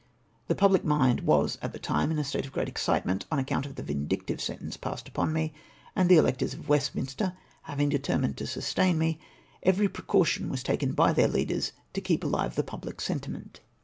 The public mind was at the time in a state of great excitement on account of the vindictive sentence passed upon me, and the electors of Westminster havinsT; determined to sus tain me, evei'y precaution was taken by their leaders to keep ahve the pubhc sentiment.